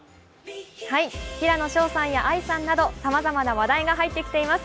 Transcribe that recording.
平野紫耀さんやＡＩさんなどさまざまな話題が入ってきています。